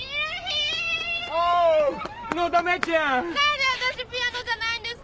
何でわたしピアノじゃないんですか？